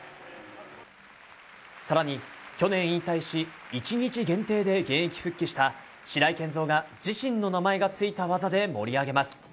更に去年引退し、１日限定で現役復帰した白井健三が自身の名前が付いた技で盛り上げます。